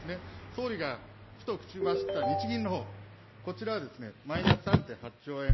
総理がふと口走った日銀のほう、こちらはマイナス３．８兆円。